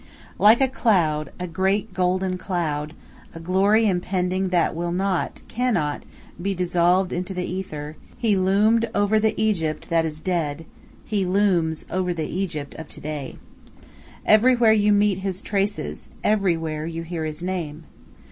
Like a cloud, a great golden cloud, a glory impending that will not, cannot, be dissolved into the ether, he loomed over the Egypt that is dead, he looms over the Egypt of to day. Everywhere you meet his traces, everywhere you hear his name.